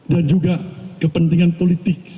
dan juga kepentingan politik